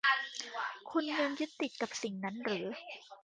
คุณยังยึดติดกับสิ่งนั้นหรือ